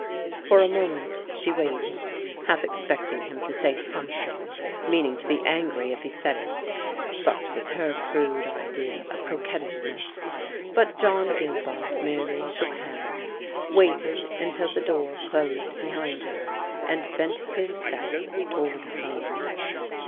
For a moment she waited, half expecting him to say something, meaning to be angry if he said it. Such was her crude idea of coquettishness. But John Gilbart merely shook hands, waited until the door closed behind her, and bent his steps toward home.